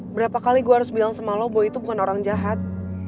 berapa kali gue harus bilang sama lo gue itu bukan orang jahat